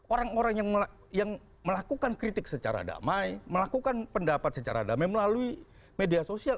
orang orang yang melakukan kritik secara damai melakukan pendapat secara damai melalui media sosial